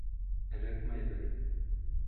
— Эләкмәйбеҙ.